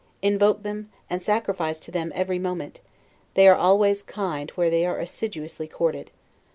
Invoke them, and sacrifice to them every moment; they are always kind, where they are assiduously courted.